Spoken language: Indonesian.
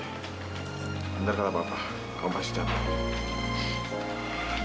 nanti kalau apa apa kamu pasti jawab